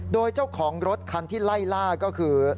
โดยเจ้าของรถคันที่ไล่ล่าก็คือ